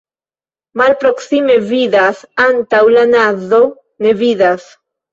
Malproksime vidas, antaŭ la nazo ne vidas.